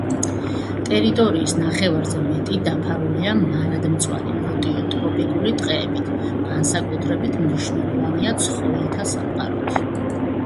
ტერიტორიის ნახევარზე მეტი დაფარულია მარადმწვანე ნოტიო ტროპიკული ტყეებით განსაკუთრებით მრავალფეროვანი ცხოველთა სამყაროთი.